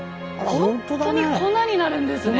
ほんとに粉になるんですね。